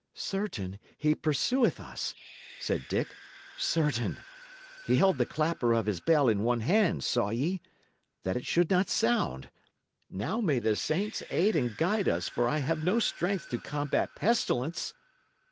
"Certain, he pursueth us," said Dick "certain! He held the clapper of his bell in one hand, saw ye? that it should not sound. Now may the saints aid and guide us, for I have no strength to combat pestilence!"